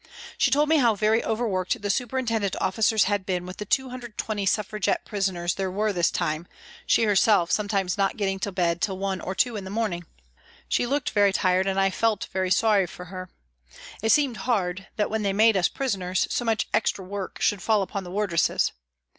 She told me how very overworked the superintendent officers had been with the 220 Suffragette prisoners there were this time, she her self sometimes not getting to bed till one or two in the morning. She looked very tired and I felt very sorry for her. It seemed hard that, when they made us prisoners, so much extra work should fall upon the wardresses.